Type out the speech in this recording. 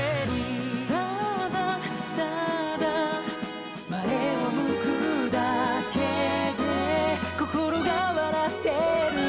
「ただ、ただ」「前を向くだけで心が笑ってる」